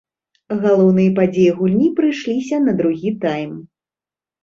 Галоўныя падзеі гульні прыйшліся на другі тайм.